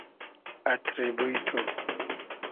اتری بوی تو